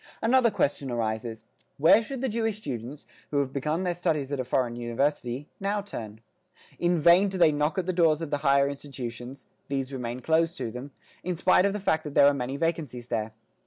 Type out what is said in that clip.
Another question arises: Where should the Jewish students, who have begun their studies at a foreign university, now turn? In vain do they knock at the doors of the higher institutions; these remain closed to them, in spite of the fact that there are many vacancies there.